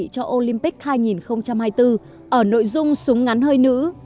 thu vinh đã bị cho olympic hai nghìn hai mươi bốn ở nội dung súng ngắn hơi nữ